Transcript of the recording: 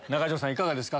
いかがですか？